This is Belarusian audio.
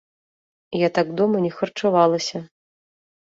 Я так дома не харчавалася.